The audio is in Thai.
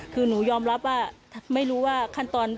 คือหนูยอมรับว่าไม่รู้ว่าขั้นตอน